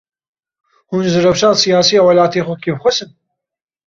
Hûn ji rewşa siyasî ya welatê xwe kêfxweş in?